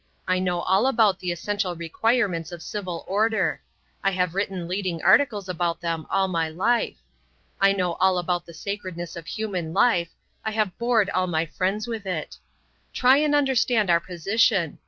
I know all about the essential requirements of civil order: I have written leading articles about them all my life. I know all about the sacredness of human life; I have bored all my friends with it. Try and understand our position.